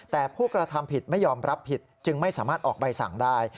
แต่ผู้กระทำผิดไม่ยอมรับผิดจึงไม่สามารถออกใบสั่งได้